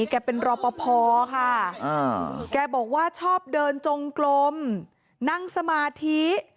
แกเป็นรอปภค่ะแกบอกว่าชอบเดินจงกลมนั่งสมาธิ